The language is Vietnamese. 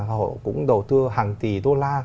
hậu cũng đầu tư hàng tỷ đô la